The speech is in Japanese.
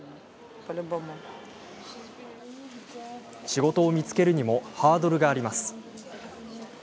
仕事を見つけるにもハードルがあります。